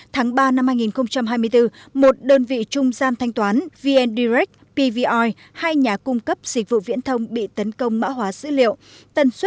tháng ba năm hai nghìn hai mươi bốn một đơn vị trung gian thanh toán vn direct pvr hai nhà cung cấp dịch vụ viễn thông bị tấn công mã hóa dữ liệu